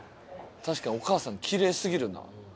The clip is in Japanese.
確かにお母さんキレイすぎるな。